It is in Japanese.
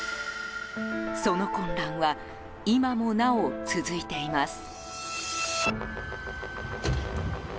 その混乱は今もなお続いています。